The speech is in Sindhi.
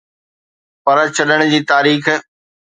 پر ڇڏڻ جي تاريخ